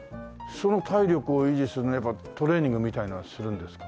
その体力を維持するのにやっぱりトレーニングみたいなのするんですか？